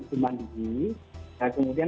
itu mandi kemudian